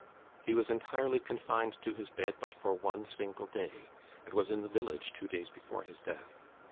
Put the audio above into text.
He was entirely confined to his bed but for one single day, and was in the village two days before his death.